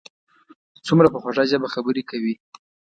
څومره په خوږه ژبه خبرې کوي.